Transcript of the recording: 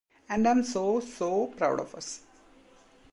And I'm so so proud of us.